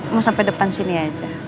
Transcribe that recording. mau sampai depan sini aja